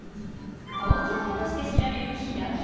高級魚として知られるヒラメ。